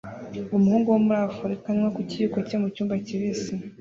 Umuhungu wo muri Afurika anywa ku kiyiko cye mucyumba kibisi